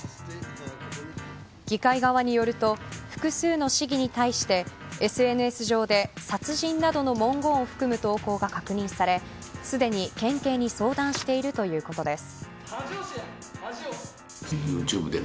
議会側によると複数の市議に対してＳＮＳ上で殺人などの文言を含む投稿が確認されすでに県警に相談しているということです。